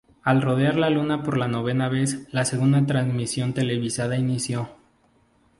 Al rodear la Luna por la novena vez, la segunda transmisión televisada inició.